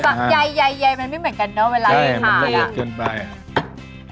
สักใหญ่มันไม่เหมือนกันนะเวลาอีกถ่าละ